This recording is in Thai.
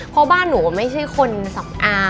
เพราะบ้านหนูไม่ใช่คนสำอาง